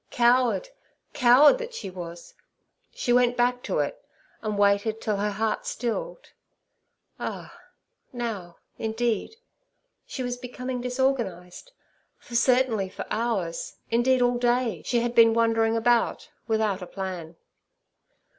Coward, coward, that she was—she went back to it, and waited till her heart stilled. Ah! now, indeed, she was becoming disorganized, for certainly for hours—indeed, all day—she had been wandering about, without a plan.